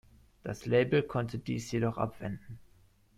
Das Label konnte dies jedoch abwenden.